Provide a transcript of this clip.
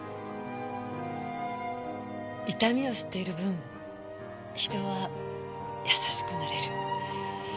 痛みを知っている分人は優しくなれる。